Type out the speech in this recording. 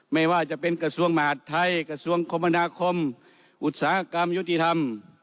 ไม่ว่าจะเป็นกระทรวงมหาดไทยกระทรวงคมนาคมอุตสาหกรรมยุติธรรม